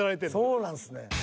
そうなんすね。